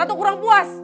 atau kurang puas